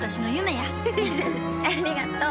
ありがとう。